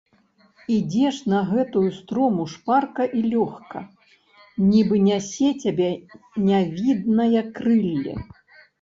Ідзеш на гэтую строму шпарка і лёгка, нібы нясе цябе нявіднае крылле.